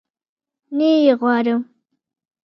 نه يي غواړم